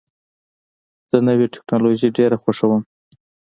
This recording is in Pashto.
زه نوې ټکنالوژۍ ډېر خوښوم.